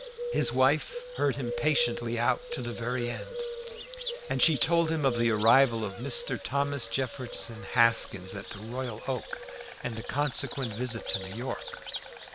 His wife heard him patiently out to the very end. Then she told him of the arrival of Mr. Thomas Jefferson Haskins at the Royal Oak, and the consequent visit to New York.